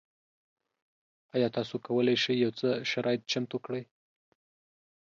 ایا تاسو کولی شئ یو څه شرایط چمتو کړئ؟